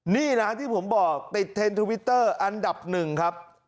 นี่นะที่ผมบอกติดเทรนด์ทวิตเตอร์อันดับหนึ่งครับ